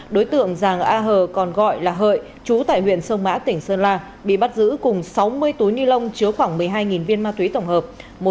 đối tượng giàng a hờ còn gọi là hợi chú tại huyện sông mã tỉnh sơn la bị bắt giữ cùng sáu mươi túi ni lông chứa khoảng một mươi hai viên ma túy tổng hợp